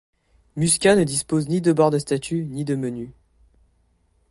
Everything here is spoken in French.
Musca ne dispose ni de barre de statut ni de menu.